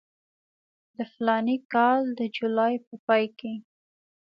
د فلاني کال د جولای په پای کې.